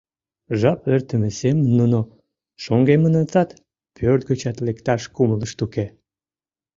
Жап эртыме семын нуно шоҥгемынытат, пӧрт гычат лекташ кумылышт уке.